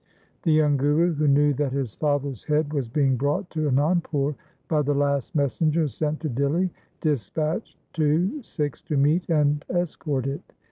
The young Guru who knew that his father's head was being brought to Anandpur by the last messenger sent to Dihli, dispatched two Sikhs to meet and escort it.